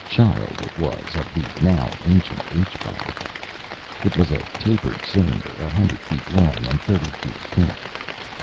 Child, it was, of the now ancient H bomb. It was a tapered cylinder, a hundred feet long and thirty feet thick.